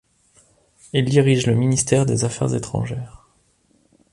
Ils dirigent le ministère des Affaires étrangères.